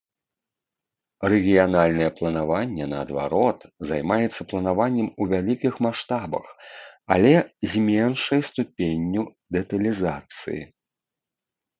Рэгіянальнае планаванне, наадварот, займаецца планаваннем у вялікіх маштабах, але з меншай ступенню дэталізацыі.